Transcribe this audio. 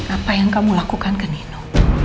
apa yang kamu lakukan ke nino